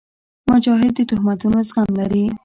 مجاهد د تهمتونو زغم لري.